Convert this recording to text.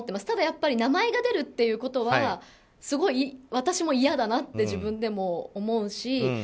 ただ、やっぱり名前が出るってことはすごい私も嫌だなと自分でも思うし。